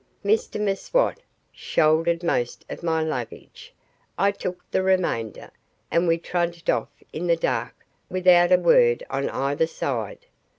Mr M'Swat shouldered most of my luggage, I took the remainder, and we trudged off in the dark without a word on either side.